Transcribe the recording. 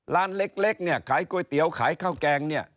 ร้านเล็กเนี่ยขายก๋วยเตี๋ยวขายข้าวแกงเนี่ย